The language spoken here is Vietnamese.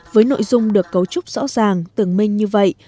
với nội dung được cấu trúc rõ ràng tường minh như vậy